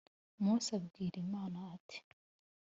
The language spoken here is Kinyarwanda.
Mose abwira Imana ati